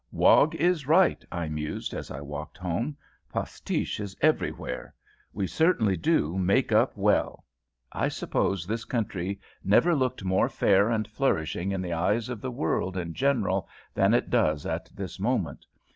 "Wog is right," I mused as I walked home "postiche is everywhere. We certainly do 'make up' well. I suppose this country never looked more fair and flourishing in the eyes of the world in general than it does at this moment.